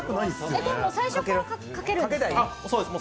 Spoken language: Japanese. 最初からかけるんですか？